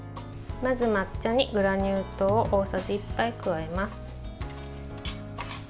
まず、抹茶にグラニュー糖を大さじ１杯加えます。